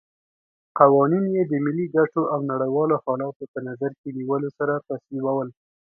قوانین یې د ملي ګټو او نړیوالو حالاتو په نظر کې نیولو سره تصویبول.